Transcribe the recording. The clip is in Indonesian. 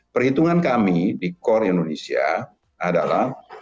perhitungan kami di core indonesia adalah